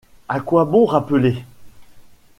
À quoi bon rappeler ?…